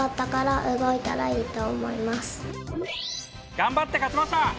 頑張って勝ちました。